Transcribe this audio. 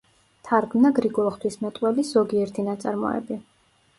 თარგმნა გრიგოლ ღვთისმეტყველის ზოგიერთი ნაწარმოები.